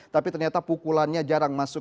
tapi ternyata pukulannya jarang masuk